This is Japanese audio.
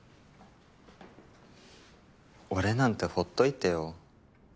俺なんてほっといてよ。